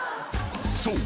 ［そう。